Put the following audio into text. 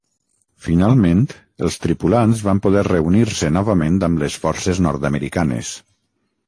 Finalment, els tripulants van poder reunir-se novament amb les forces nord-americanes.